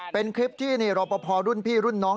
เป็นคลิปที่รอปภรุ่นพี่รุ่นน้อง